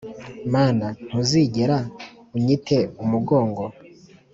mana, ntuzigera unyite umugongo